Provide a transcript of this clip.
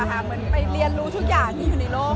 เหมือนไปเรียนรู้ทุกอย่างที่อยู่ในโลก